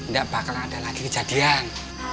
enggak bakal ada lagi kejadian